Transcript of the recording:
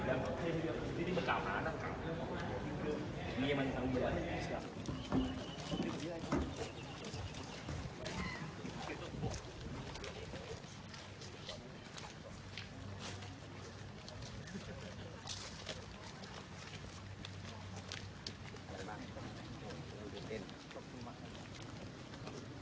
ความผิดผ่านร่วมกันแนวตามจากศาสตร์ดำเนินอำนาจ